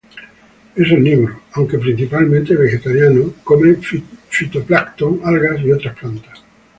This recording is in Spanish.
Es omnívoro, aunque, principalmente, vegetariano: come fitoplancton, algas y otra plantas.